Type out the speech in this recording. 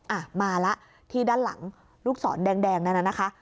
อ่ะมาแล้วที่ด้านหลังลูกศรแดงนั่นน่ะนะคะ